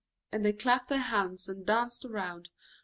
and they clapped their hands, and danced around.